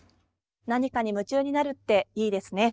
何かに夢中になるっていいですね。